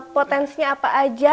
potensinya apa aja